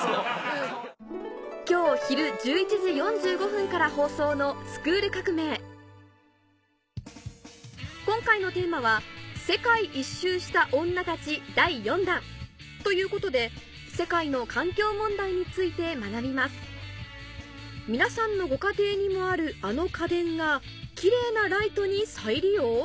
今日昼１１時４５分から放送の今回のテーマは「世界一周した女たち第４弾」ということで世界の環境問題について学びます皆さんのご家庭にもあるあの家電がキレイなライトに再利用？